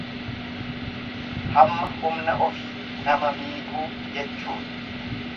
Hamma humna ofii nama miidhuu jechuudha.